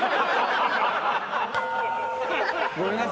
ごめんなさいね。